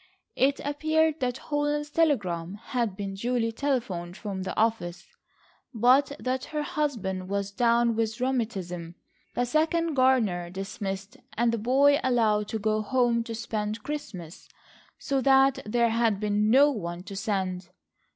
It appeared that Holland's telegram had been duly telephoned from the office, but that her husband was down with rheumatism, the second gardener dismissed, and the "boy" allowed to go home to spend Christmas, so that there had been no one to send.